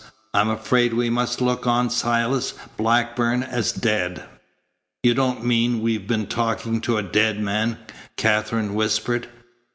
I'm afraid we must look on Silas Blackburn as dead." "You don't mean we've been talking to a dead man?" Katherine whispered.